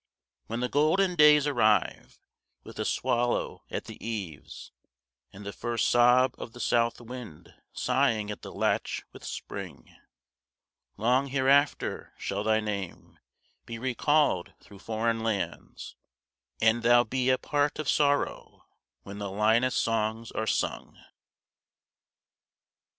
When the golden days arrive, With the swallow at the eaves, And the first sob of the south wind Sighing at the latch with spring, 40 Long hereafter shall thy name Be recalled through foreign lands, And thou be a part of sorrow When the Linus songs are sung.